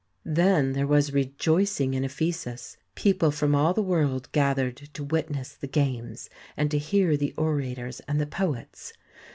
Then there was rejoicing in Ephesus ; people from all the world gathered to witness the games and to hear the orators and the poets.